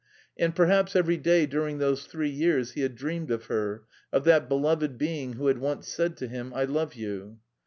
And perhaps every day during those three years he had dreamed of her, of that beloved being who had once said to him, "I love you."